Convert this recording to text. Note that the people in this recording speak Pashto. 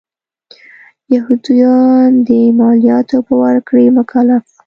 یهودیان د مالیاتو په ورکړې مکلف و.